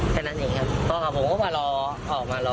แค่นั้นเองครับผมก็มารอออกมารอ